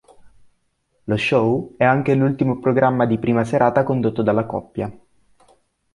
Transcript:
Lo show è anche l'ultimo programma di prima serata condotto dalla coppia.